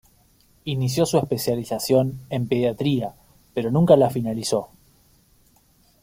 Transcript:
Inició su especialización en pediatría pero nunca la finalizó.